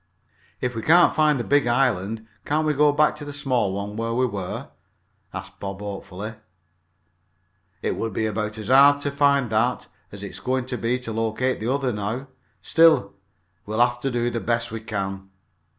"If we can't find the big island, can't we go back to the small one where we were?" asked Bob hopefully. "It would be about as hard to find that as it's going to be to locate the other now. Still, we'll have to do the best we can.